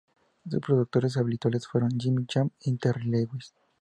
Sus productores habituales fueron Jimmy Jam y Terry Lewis.